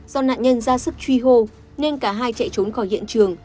do nạn nhân ra sức truy hô nên cả hai chạy trốn khỏi hiện trường